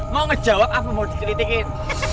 mau ngejawab apa mau digelitikin